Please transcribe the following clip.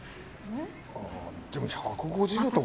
でも１５０とかかな。